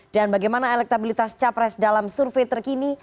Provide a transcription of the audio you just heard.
dan bagaimana elektabilitas capres dalam survei terkini